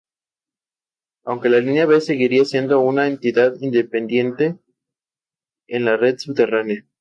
Apareció en un videoclip de la canción country de Toby Keith, Whiskey Girl.